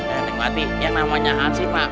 eh nikmati yang namanya ansih pak